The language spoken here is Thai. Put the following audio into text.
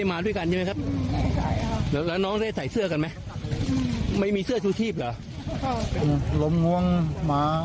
โห้ประเด็นเรื่องเสื้อชูชีพนะ